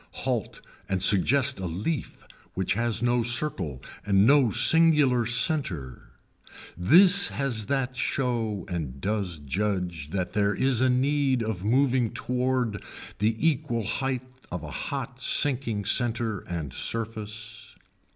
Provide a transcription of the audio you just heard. Halt and suggest a leaf which has no circle and no singular center, this has that show and does judge that there is a need of moving toward the equal height of a hot sinking center and surface.